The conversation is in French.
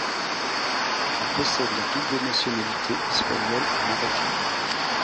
Il possède la double nationalité espagnole et marocaine.